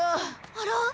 あら？